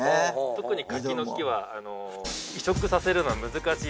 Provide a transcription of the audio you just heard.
特に柿の木は移植させるのが難しい。